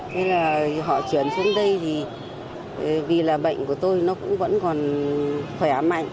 thế là họ chuyển xuống đây thì vì là bệnh của tôi nó cũng vẫn còn khỏe mạnh